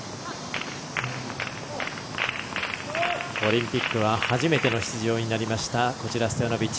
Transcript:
オリンピックは初めての出場になりましたストヤノビッチ。